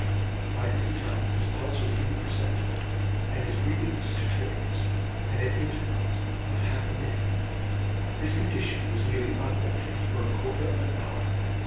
By this time his pulse was imperceptible and his breathing was stertorous, and at intervals of half a minute. This condition was nearly unaltered for a quarter of an hour.